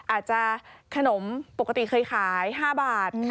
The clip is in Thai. อาจจะขนมปกติเคยขาย๕บาท